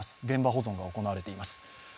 現場保存が行われています。